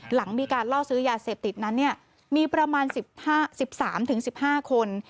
หลังมีการล่อซื้อยาเสพติดนั้นเนี่ยมีประมาณสิบห้าสิบสามถึงสิบห้าคน